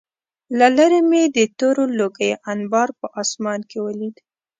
له لېرې مې د تورو لوګیو انبار په آسمان کې ولید